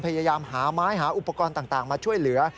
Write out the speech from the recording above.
พยายามหาไม้หาอุปกรณ์ต่างมาช่วยเหลือ